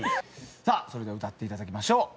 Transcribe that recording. さあそれでは歌っていただきましょう。